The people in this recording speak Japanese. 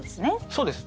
そうです。